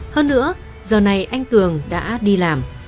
hơn nữa giờ này anh cường đã đi làm